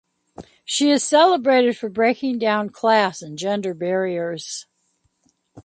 She is celebrated for breaking down class and gender barriers.